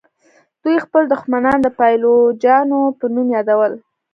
دوی خپل دښمنان د پایلوچانو په نوم یادول.